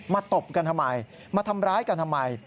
ตบกันทำไมมาทำร้ายกันทำไม